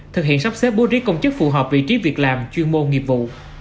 thực hiện sắp xếp bố riết công chức phù hợp vị trí việc làm chuyên mô nghiệp vụ